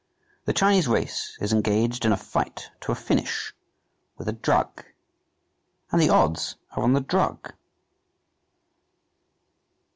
The Chinese race is engaged in a fight to a finish with a drug and the odds are on the drug.